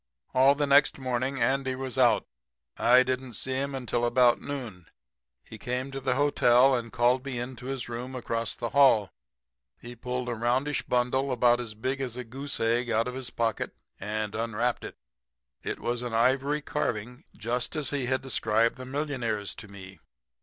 "All the next morning Andy was out. I didn't see him until about noon. He came to the hotel and called me into his room across the hall. He pulled a roundish bundle about as big as a goose egg out of his pocket and unwrapped it. It was an ivory carving just as he had described the millionaire's to me.